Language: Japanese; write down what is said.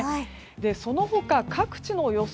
その他各地の予想